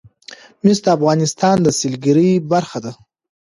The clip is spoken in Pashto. مس د افغانستان د سیلګرۍ برخه ده.